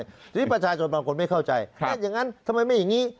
ทีนี้ประชาชนบางคนไม่เข้าใจอย่างนั้นทำไมไม่อย่างนี้